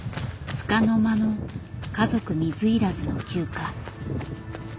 つかの間の家族水入らずの休暇。